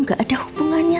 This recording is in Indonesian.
gak ada hubungannya